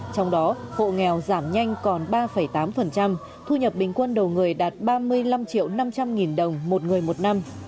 trong đó hộ nghèo giảm nhanh còn ba tám thu nhập bình quân đầu người đạt ba mươi năm năm trăm linh nghìn đồng một người một năm